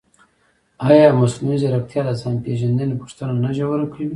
ایا مصنوعي ځیرکتیا د ځان پېژندنې پوښتنه نه ژوره کوي؟